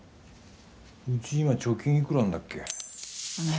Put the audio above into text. うち、今貯金いくらあんだっけ？